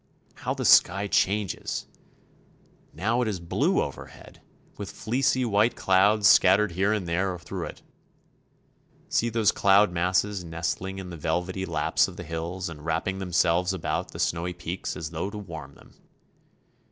How the sky changes! Now it is blue overhead, with fleecy white clouds scattered here and there through it. See those cloud masses nestling in the velvety laps of the hills and wrapping themselves about the snowy peaks as though to warm them.